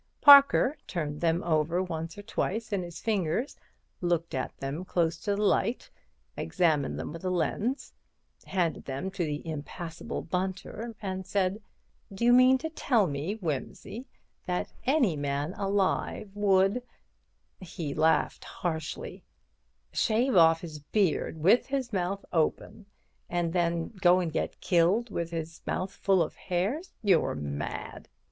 Parker turned them over once or twice in his fingers, looked at them close to the light, examined them with a lens, handed them to the impassible Bunter, and said: "Do you mean to tell me, Wimsey, that any man alive would"—he laughed harshly—"shave off his beard with his mouth open, and then go and get killed with his mouth full of hairs? You're mad."